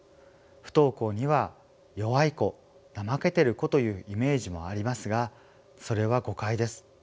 不登校には弱い子怠けてる子というイメージもありますがそれは誤解です。